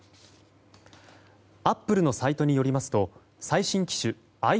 アップルのサイトによりますと最新機種